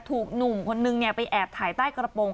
ถูกหนุ่มคนนึงไปแอบถ่ายใต้กระโปรง